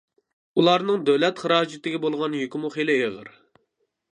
ئۇلارنىڭ دۆلەت خىراجىتىگە بولغان يۈكىمۇ خېلى ئېغىر.